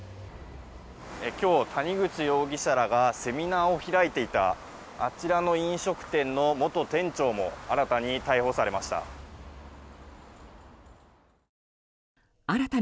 今日、谷口容疑者らがセミナーを開いていたあちらの飲食店の元店長も新たに逮捕されました。